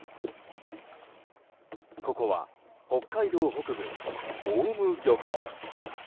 ここは北海道北部、雄武漁港。